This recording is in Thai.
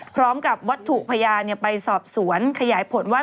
พร้อมกับวัตถุพยานไปสอบสวนขยายผลว่า